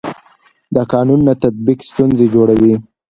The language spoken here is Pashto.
د قانون نه تطبیق ستونزې جوړوي